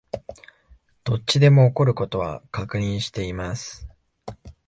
どっちでも起こる事は確認しています